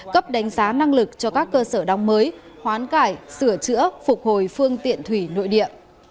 cấp đánh giá năng lực cho các cơ sở đóng mới hoán cải sửa chữa phục hồi phương tiện thủy nội địa